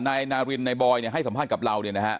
นายนารินนายบอยเนี่ยให้สัมภาษณ์กับเราเนี่ยนะฮะ